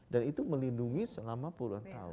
dan itu melindungi selama puluhan tahun